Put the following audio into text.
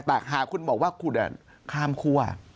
ปากหาคุณบอกว่าคุณข้ามคั่ว